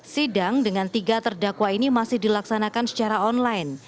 sidang dengan tiga terdakwa ini masih dilaksanakan secara online